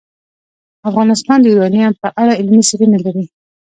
افغانستان د یورانیم په اړه علمي څېړنې لري.